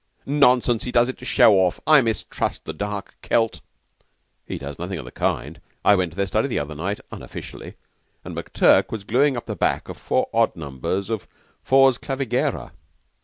"Nonsense! He does it to show off. I mistrust the dark Celt." "He does nothing of the kind. I went into their study the other night, unofficially, and McTurk was gluing up the back of four odd numbers of 'Fors Clavigera.